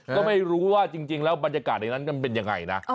ก็ไม่รู้ว่าจริงแล้วบรรยากาศในนั้นมันเป็นยังไงนะ